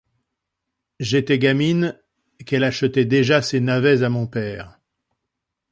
J’étais gamine, qu’elle achetait déjà ses navets à mon père.